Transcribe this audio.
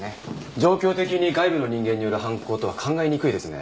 状況的に外部の人間による犯行とは考えにくいですね。